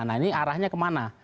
nah ini arahnya kemana